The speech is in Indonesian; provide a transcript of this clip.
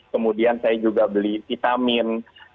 kemudian saya juga beli vitamin